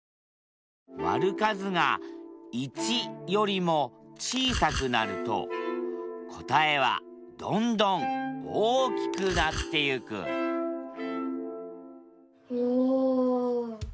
割る数が１よりも小さくなると答えはどんどん大きくなってゆくおお！